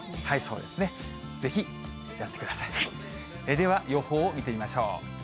では予報を見てみましょう。